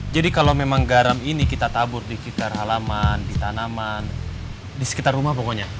jadi kalau memang garam ini kita tabur di sekitar halaman di tanaman di sekitar rumah pokoknya